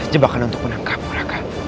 jebakan untuk menangkapmu raka